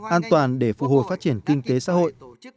an toàn để phụ hồi phát triển kinh tế xã hội